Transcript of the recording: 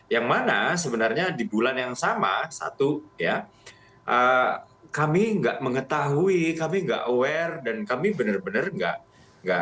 yang mana sebenarnya di bulan yang sama satu ya kami nggak mengetahui kami nggak aware dan kami benar benar enggak